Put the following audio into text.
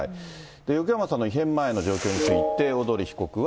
横山さんの異変前の状況について、小鳥被告は。